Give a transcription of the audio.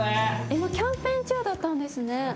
今キャンペーン中だったんですね。